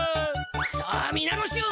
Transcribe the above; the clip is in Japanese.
さあみなのしゅう。